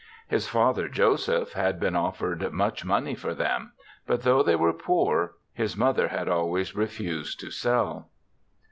His father, Joseph, had been offered much money for them; but though they were poor, his mother had always refused to sell.